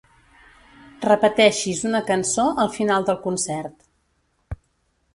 Repeteixis una cançó al final del concert.